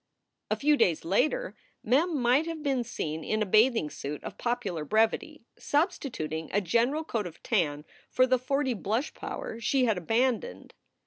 A few days later Mem might have been seen in a bathing suit of popular brevity, substituting a general coat of tan for the forty blushpower slio had abandoned.